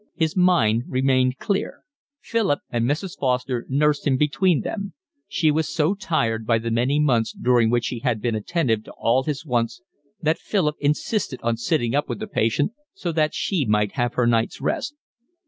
His mind remained clear. Philip and Mrs. Foster nursed him between them. She was so tired by the many months during which she had been attentive to all his wants that Philip insisted on sitting up with the patient so that she might have her night's rest.